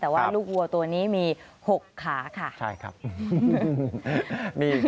แต่ว่าลูกวัวตัวนี้มี๖ขาค่ะใช่ครับ